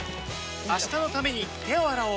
明日のために手を洗おう